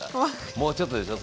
もうちょっとでしょ？